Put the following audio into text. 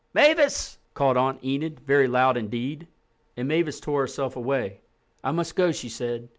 "MAVIS!" called Aunt Enid very loud indeed; and Mavis tore herself away. "I must go," she said.